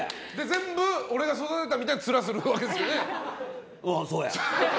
全部俺が育てたみたいなツラをするわけですよね。